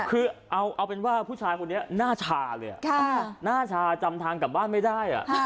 คือเอาเป็นว่าผู้ชายคนนี้หน้าชาเลยหน้าชาจำทางกลับบ้านไม่ได้